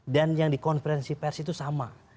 dan yang di konferensi pers itu sama